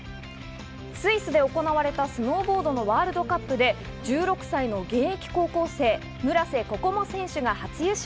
スイスで行われたスノーボードのワールドカップで１６歳の現役高校生・村瀬心椛選手が初優勝。